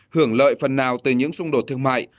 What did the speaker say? hưởng lợi phần nào từ những xung đột thương mại